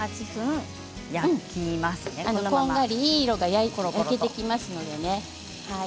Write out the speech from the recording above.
こんがり、いい色が焼けてきますのでね。